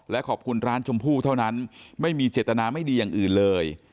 และขอบคุณร้านชมพู่เท่านั้นไม่มีเจตนาไม่ดีอย่างอื่นเลย